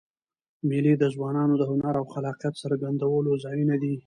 مېلې د ځوانانو د هنر او خلاقیت څرګندولو ځایونه دي.